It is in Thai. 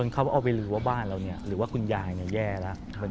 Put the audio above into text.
เขาเอาไปรู้ว่าบ้านเราหรือว่าคุณยายแย่แล้ว